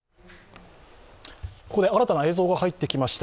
ここで新たな映像が入ってきました。